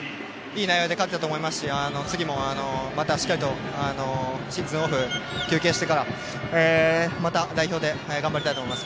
いい内容で勝てたと思いますし次もまたしっかりとシーズンオフ休憩してからまた代表で頑張りたいと思います。